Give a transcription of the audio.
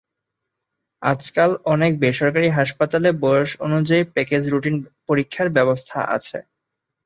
আজকাল অনেক বেসরকারি হাসপাতালে বয়স অনুযায়ী প্যাকেজ রুটিন পরীক্ষার ব্যবস্থা আছে।